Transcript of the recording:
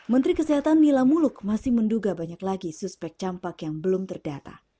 menteri kesehatan mila muluk masih menduga banyak lagi suspek campak yang belum terdata